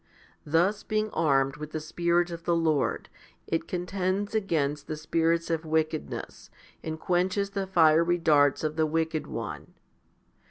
Thus, being armed with the Spirit of the Lord, it contends against the spirits o4 wickedness, and quenches the fiery darts of the wicked one.